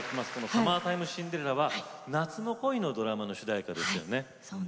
「サマータイムシンデレラ」は夏の恋がテーマのドラマの主題歌ですよね。